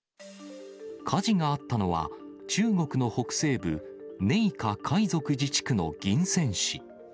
火事があったのは、中国の北西部、寧夏回族自治区の銀川市。